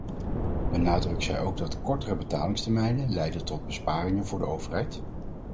Benadrukt zij ook dat kortere betalingstermijnen leiden tot besparingen voor de overheid.